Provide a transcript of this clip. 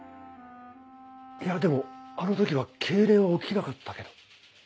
いやでもあの時は痙攣は起きなかったけど。